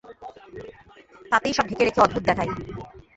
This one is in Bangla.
তাতেই সব ঢেকে রেখে অদ্ভুত দেখায়।